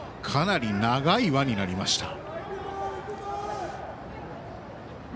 かなり長い輪になりました。